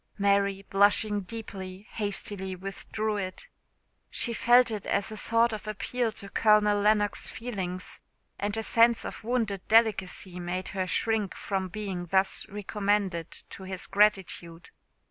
Mary, blushing deeply, hastily withdrew it. She felt it as a sort of appeal to Colonel Lennox's feelings; and a sense of wounded delicacy made her shrink from being thus recommended to his gratitude.